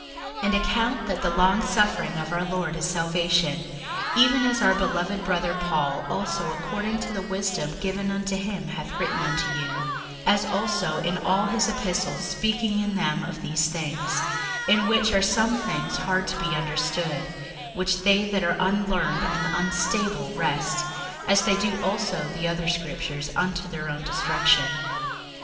61:003:015 And account that the longsuffering of our Lord is salvation; even as our beloved brother Paul also according to the wisdom given unto him hath written unto you; 61:003:016 As also in all his epistles, speaking in them of these things; in which are some things hard to be understood, which they that are unlearned and unstable wrest, as they do also the other scriptures, unto their own destruction.